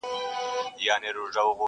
پر تندیو به د پېغلو اوربل خپور وي٫